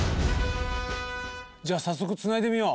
じゃあ早速つないでみよう！